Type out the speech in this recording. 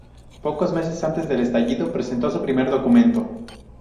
Pocos meses antes del estallido presentó su primer documento.